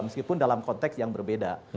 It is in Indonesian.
meskipun dalam konteks yang berbeda